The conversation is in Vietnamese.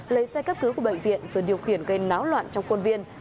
lấy xe cấp cứu của bệnh viện và điều quyền gây náo loạn trong khuôn viên